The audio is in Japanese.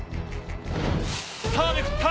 さあめくった。